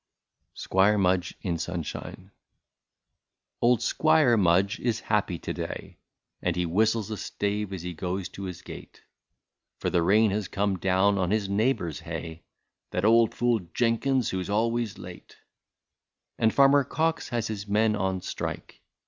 190 SQUIRE MUDGE IN SUNSHINE. Old Squire Mudge is happy to day, And he almost sings as he goes to his gate, For the rain has come down on his neighbour's hay —That old fool Jenkins, who 's always late.'* And Farmer Cox has his men on strike.